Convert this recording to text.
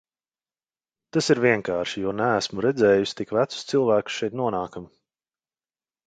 Tas ir vienkārši, jo neesmu redzējusi tik vecus cilvēkus šeit nonākam.